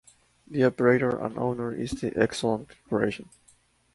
The Operator and Owner is the Exelon Corporation.